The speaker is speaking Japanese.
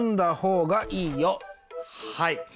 はい。